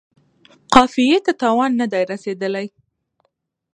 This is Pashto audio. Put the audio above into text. قافیې ته تاوان نه دی رسیدلی.